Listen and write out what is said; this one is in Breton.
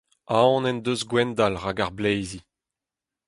Aon en deus Gwendal rak ar bleizi.